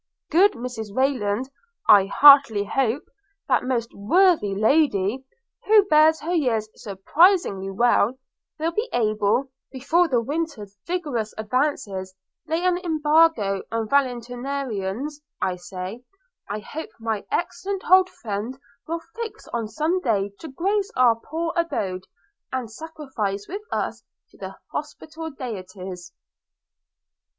Good Mrs Rayland, I heartily hope, that most worthy lady, who bears her years surprisingly well, will be able, before the winter's rigorous advances lay an embargo on valetudinarians; I say, I hope my excellent old friend will fix on some day to grace our poor abode, and sacrifice with us to the hospitable deities.'